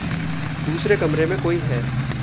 दूसरे कमरे में कोई है।